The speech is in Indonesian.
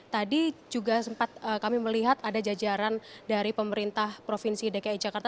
tadi juga sempat kami melihat ada jajaran dari pemerintah provinsi dki jakarta